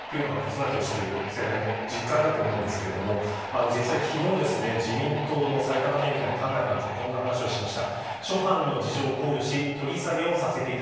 それが子育てをしている世代の実感だと思いますが実際に昨日、自民党の埼玉県議団の田村団長がこんな話をしました。